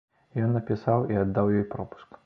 Ён напісаў і аддаў ёй пропуск.